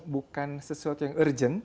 bukan sesuatu yang